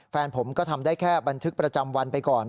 แฟนผมก็ทำได้แค่บันทึกประจำวันไปก่อน